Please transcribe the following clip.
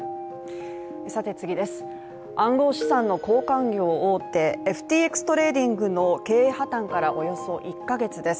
暗号資産の交換業大手、ＦＴＸトレーディングの経営破綻からおよそ１か月です。